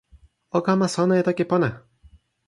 o kama sona e toki pona!